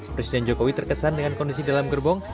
presiden jokowi terkesan dengan kondisi dalam gerbong